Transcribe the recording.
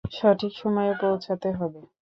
সঠিক সময়ে পৌছাতে হবে।